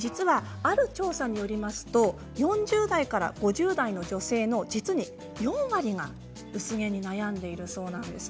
ある調査によりますと４０代から５０代の女性の実に４割が薄毛に悩んでいるそうなんです。